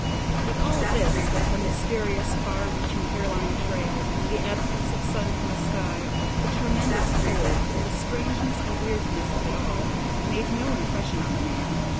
But all this—the mysterious, far reaching hairline trail, the absence of sun from the sky, the tremendous cold, and the strangeness and weirdness of it all—made no impression on the man.